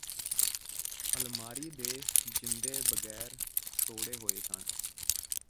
ਅਲਮਾਰੀ ਦੇ ਜਿੰਦੇ ਬਗੈਰ ਤੋੜੇ ਹੋਏ ਸਨ